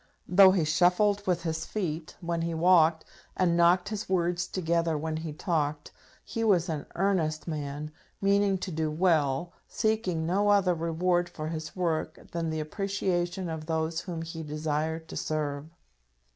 Though he shuffled with his feet when he walked, and knocked his words together when he talked, he was an earnest man, meaning to do well, seeking no other reward for his work than the appreciation of those whom he desired to serve.